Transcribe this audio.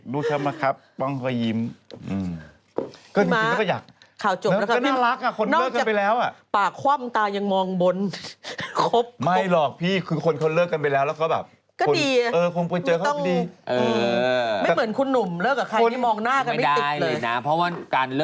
เลิกกันไปแล้วอะ